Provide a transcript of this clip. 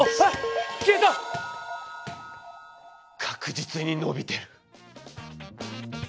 確実にのびてる！